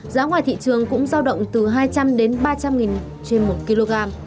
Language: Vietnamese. giá ngoài thị trường cũng giao động từ hai trăm linh ba trăm linh nghìn trên một kg